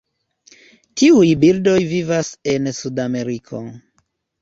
Tiuj birdoj vivas en Sudameriko.